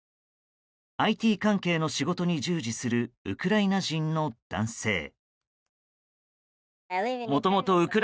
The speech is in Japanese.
ＩＴ関係の仕事に従事するウクライナ人の男性。